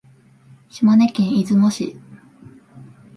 島根県出雲市